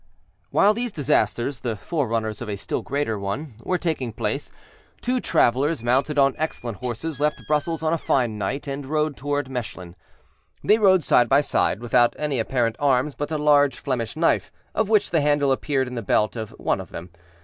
While these disasters, the forerunners of a still greater one, were taking place, two travelers, mounted on excellent horses, left Brussels on a fine night, and rode toward Mechlin. They rode side by side, without any apparent arms but a large Flemish knife, of which the handle appeared in the belt of one of them.